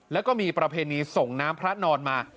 แล้วก็มีประเพณีส่งน้ำพระนอนมา